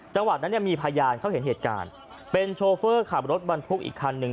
จังหวัดนั้นเนี่ยมีพยานเขาเห็นเหตุการณ์เป็นโชเฟอร์ขับรถบรรทุกอีกคันหนึ่ง